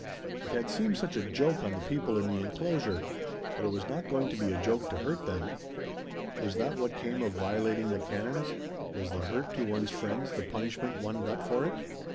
It had seemed such a joke on the people in the enclosure. But it was not going to be a joke to hurt them. Was that what came of violating the canons? Was the hurt to one's friends the punishment one got for it?